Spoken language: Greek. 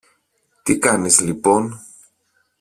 Τι κάνεις λοιπόν;